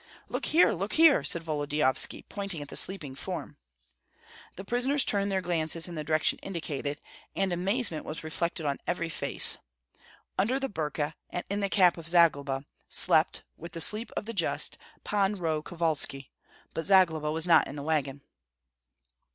"Look here, look here!" said Volodyovski, pointing at the sleeping form. The prisoners turned their glances in the direction indicated, and amazement was reflected on every face. Under the burka, and in the cap of Zagloba, slept, with the sleep of the just, Pan Roh Kovalski; but Zagloba was not in the wagon.